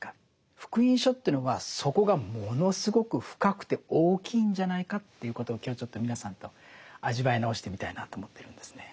「福音書」というのはそこがものすごく深くて大きいんじゃないかということを今日ちょっと皆さんと味わい直してみたいなと思ってるんですね。